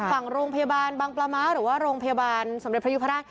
ฝั่งโรงพยาบาลบางปลาม้าหรือว่าโรงพยาบาลสมเด็จพระยุพราช